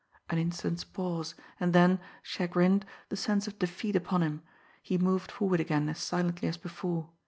An instant's pause, and then, chagrined, the sense of defeat upon him, he moved forward again as silently as before.